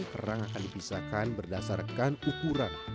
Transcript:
kerang akan dipisahkan berdasarkan ukuran